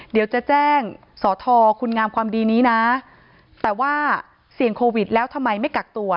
เดี๋ยวจะแจ้งสอทอคุณงามความดีนี้นะแต่ว่าเสี่ยงโควิดแล้วทำไมไม่กักตัว